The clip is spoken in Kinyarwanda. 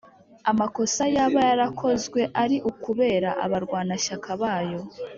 amakosa yaba yarakozwe ari ukubera abarwanashyaka bayo